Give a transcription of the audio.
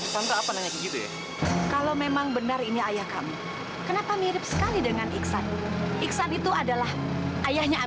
sampai jumpa di video selanjutnya